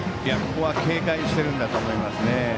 ここは警戒しているんだと思いますね。